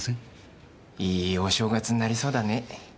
いいお正月になりそうだね。